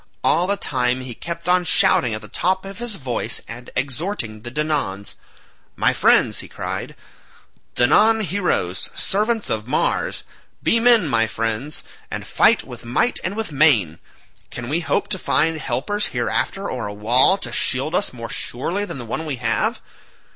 All the time he kept on shouting at the top of his voice and exhorting the Danaans. "My friends," he cried, "Danaan heroes, servants of Mars, be men my friends, and fight with might and with main. Can we hope to find helpers hereafter, or a wall to shield us more surely than the one we have?